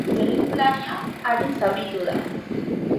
Txirrindularia arin zauritu da.